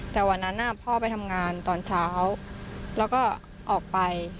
แต่วันนั้นพ่อไปทำงานตอนเช้าแล้วก็ออกไป